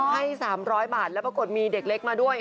ให้๓๐๐บาทแล้วปรากฏมีเด็กเล็กมาด้วย